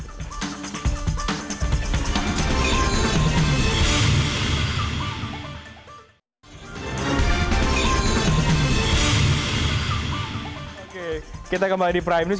oke kita kembali di prime news